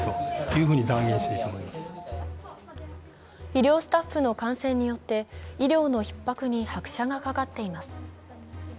医療スタッフの感染によって、医療のひっ迫に拍車がかかっています。